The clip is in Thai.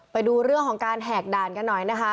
ไปดูเรื่องของการแหกด่านกันหน่อยนะคะ